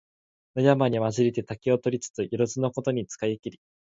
野山にまじりて竹を取りつ、よろづのことに使いけり。